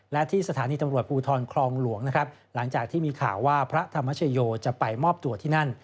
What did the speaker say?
และที่สถานีตำรวจภูทรคลองหลวงนะครับหลังจากที่มีข่าวว่าพระธรรมชโยจะไปมอบตัวที่นั่น